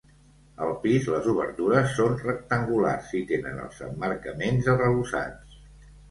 Al pis, les obertures són rectangulars i tenen els emmarcaments arrebossats.